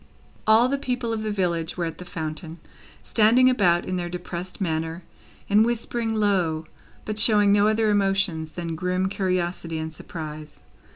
All the people of the village were at the fountain, standing about in their depressed manner, and whispering low, but showing no other emotions than grim curiosity and surprise.